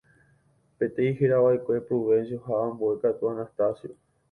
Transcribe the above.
Peteĩ herava'ekue Prudencio ha ambue katu Anastacio